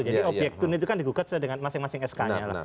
jadi obyek itu kan digugat dengan masing masing sk nya